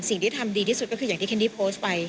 สิ่งที่ทำดีที่สุดก็คืออย่างที่แคนดี้โพสต์ไป